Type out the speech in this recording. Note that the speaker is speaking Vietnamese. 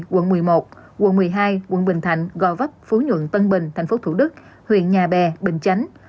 quận một mươi một quận một mươi hai quận bình thạnh gò vấp phú nhuận tân bình tp thủ đức huyện nhà bè bình chánh